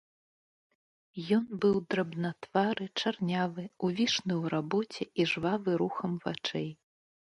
Ён быў драбнатвары, чарнявы, увішны ў рабоце і жвавы рухам вачэй.